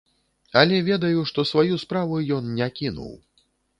Але ведаю, што сваю справу ён не кінуў.